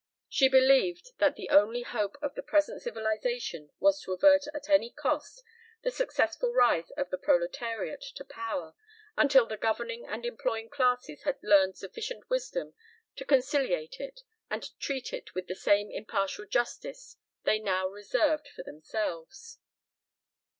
She believed that the only hope of the present civilization was to avert at any cost the successful rise of the proletariat to power until the governing and employing classes had learned sufficient wisdom to conciliate it and treat it with the same impartial justice they now reserved for themselves.